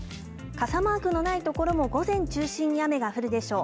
傘マークのない所も午前中心に雨が降るでしょう。